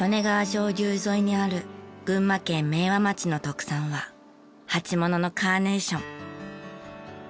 上流沿いにある群馬県明和町の特産は鉢物のカーネーション。